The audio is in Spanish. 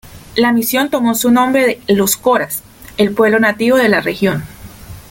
La misión tomó su nombre de los "coras", el pueblo nativo de la región.